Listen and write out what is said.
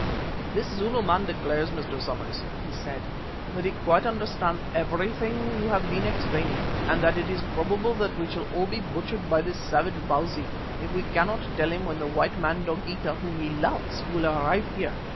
"This Zulu man declares, Mr. Somers," he said, "that he quite understands everything you have been explaining, and that it is probable that we shall all be butchered by this savage Bausi, if we cannot tell him when the white man, Dogeetah, whom he loves, will arrive here.